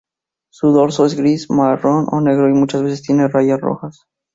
Su dorso es gris, marrón o negro y muchas veces tiene rayas rojas.